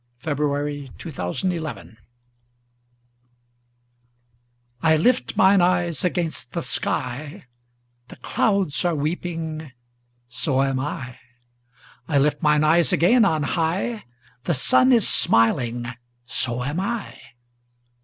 Morris Rosenfeld I Know Not Why I LIFT mine eyes against the sky, The clouds are weeping, so am I;I lift mine eyes again on high, The sun is smiling, so am I.